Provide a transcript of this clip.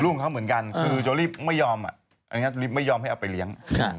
ของเขาเหมือนกันคือโจลี่ไม่ยอมอันนี้ไม่ยอมให้เอาไปเลี้ยง